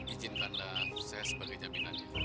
izinkanlah saya sebagai jaminannya